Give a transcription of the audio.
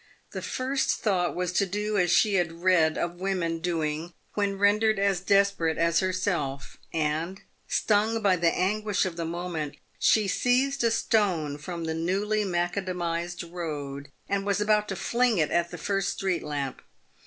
The first thought was to do as she had read of women doing when rendered as desperate as herself; and, stung by the anguish of, the moment, she seized a stone from the newly macadamised road, and was about to fling it at the first street lamp.